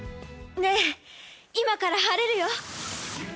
ねえ、今から晴れるよ。